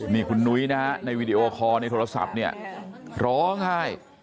นี่คุณนุ้ยนะฮะในวีดีโอคอร์ในโทรศัพท์เนี่ยร้องไห้